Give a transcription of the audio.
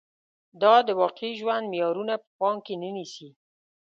دا د واقعي ژوند معيارونه په پام کې نه نیسي